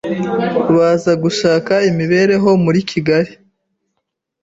baza gushaka imibereho muri Kigali